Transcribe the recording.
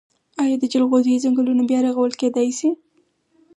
آیا د جلغوزیو ځنګلونه بیا رغول کیدی شي؟